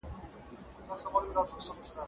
د بېلتون د مخنيوي لپاره بېلابېل پړاوونه ښوول سوي دي.